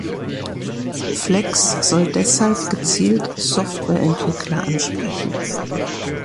Flex soll deshalb gezielt Software-Entwickler ansprechen.